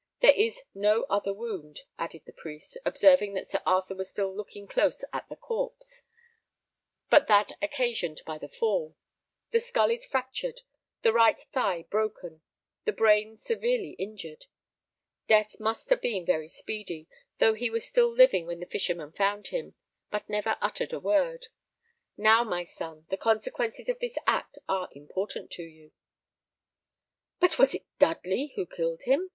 There is no other wound," added the priest, observing that Sir Arthur was still looking close at the corpse, "but that occasioned by the fall. The skull is fractured, the right thigh broken, the brain severely injured. Death must have been very speedy, though he was still living when the fishermen found him, but never uttered a word. Now, my son, the consequences of this act are important to you." "But was it Dudley who killed him?"